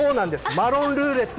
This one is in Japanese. マロンルーレット。